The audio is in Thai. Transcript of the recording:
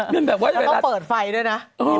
แล้วก็เปิดไฟด้วยนะ